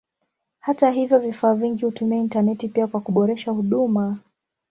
Hata hivyo vifaa vingi hutumia intaneti pia kwa kuboresha huduma.